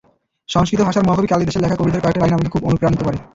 সংস্কৃত ভাষার মহাকবি কালীদাসের লেখা কবিতার কয়েকটি লাইন আমাকে খুব অনুপ্রাণিত করে।